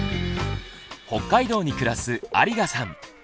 北海道に暮らす有我さん。